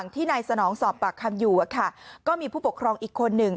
ที่นายสนองสอบปากคำอยู่ก็มีผู้ปกครองอีกคนหนึ่ง